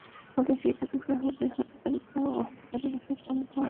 ফলে সে ইচ্ছাকৃতভাবে হঠকারিতা ও অহংকারবশত আল্লাহর আনুগত্য থেকে বেরিয়ে যায়।